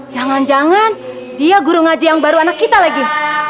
jangan jangan dia guru ngaji yang baru anak kita lagi